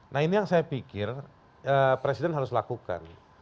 nah ini yang saya pikir presiden harus lakukan